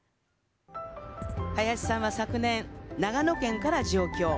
林さんは昨年、長野県から上京。